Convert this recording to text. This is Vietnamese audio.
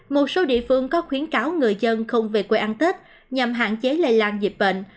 một số địa phương có khuyến cáo người dân không về quê ăn tết nhằm hạn chế lây lan dịch bệnh